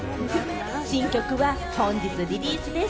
新曲は本日リリースです。